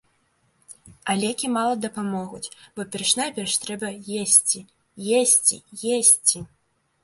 А лекі мала дапамогуць, бо перш-наперш трэба есці, есці, есці!